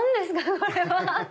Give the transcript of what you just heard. これは。